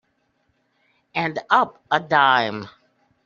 And up a dime.